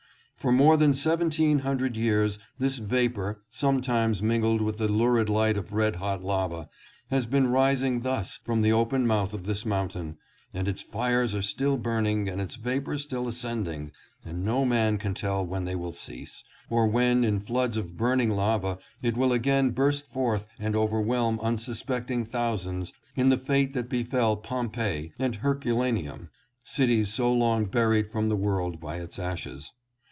For more than seventeen hundred years this vapor, sometimes mingled with the lurid light of red hot lava, has been rising thus from the open mouth of this mountain, and its fires are still burning and its vapor still ascending, and no man can tell when they will cease, or when in floods of burning lava it will again burst forth and overwhelm unsuspecting thousands in the fate that befell Pompeii and Herculaneum, cities so long buried from the world by its ashes.